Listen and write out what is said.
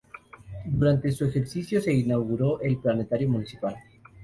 Durante su ejercicio se inauguró el Planetario Municipal.